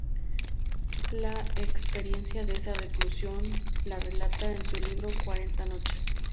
La experiencia de esa reclusión la relata en su libro "Cuarenta noches".